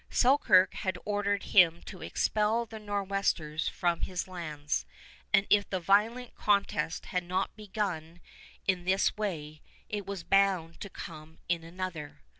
Selkirk had ordered him to expel the Nor'westers from his lands, and if the violent contest had not begun in this way, it was bound to come in another.